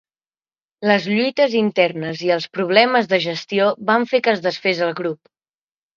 Les lluites internes i els problemes de gestió van fer que es desfés el grup.